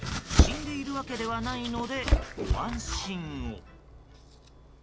死んでいるわけではないのでご安心を。